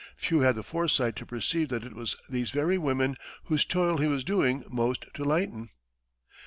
Few had the foresight to perceive that it was these very women whose toil he was doing most to lighten!